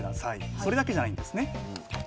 それだけじゃないんですね。